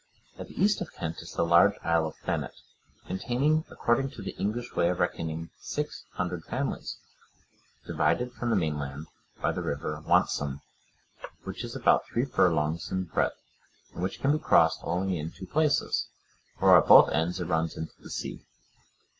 On the east of Kent is the large Isle of Thanet, containing, according to the English way of reckoning, 600 families,(110) divided from the mainland by the river Wantsum,(111) which is about three furlongs in breadth, and which can be crossed only in two places; for at both ends it runs into the sea.